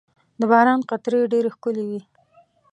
• د باران قطرې ډېرې ښکلي وي.